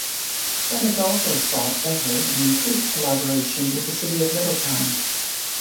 Bennet also sought better and increased collaboration with the city of Middletown.